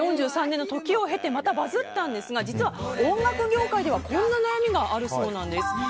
４３年の時を経てまたバズったんですが実は音楽業界ではこんな悩みがあるそうなんです。